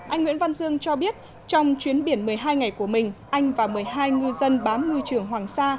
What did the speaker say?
anh nguyễn văn dương cho biết trong chuyến biển một mươi hai ngày của mình anh và một mươi hai ngư dân bám ngư trường hoàng sa